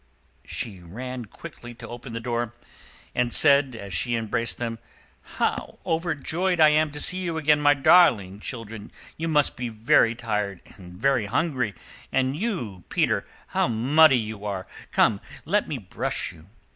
She ran quickly to open the door, and said, as she embraced them, "How overjoyed I am to see you again, my darling children! you must be very tired and very hungry; and you, Peter, how muddy you are! come, let me brush you."